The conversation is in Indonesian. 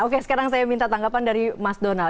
oke sekarang saya minta tanggapan dari mas donald